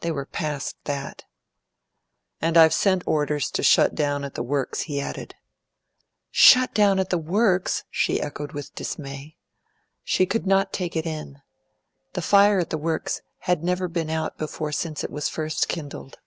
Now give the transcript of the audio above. They were past that. "And I've sent orders to shut down at the Works," he added. "Shut down at the Works!" she echoed with dismay. She could not take it in. The fire at the Works had never been out before since it was first kindled.